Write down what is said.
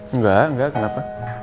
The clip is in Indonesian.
enggak enggak kenapa